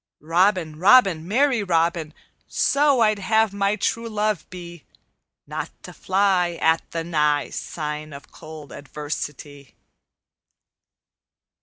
Robin! Robin! Merry Robin! So I'd have my true love be: Not to fly At the nigh Sign of cold adversity_.